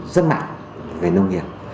rất mạnh về nông nghiệp